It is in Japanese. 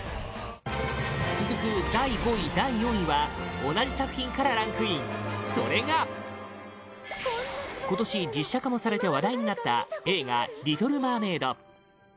続く第５位、第４位は同じ作品からランクインそれが今年実写化もされて話題になった映画「リトル・マーメイド」